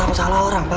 aku tau salah orang pak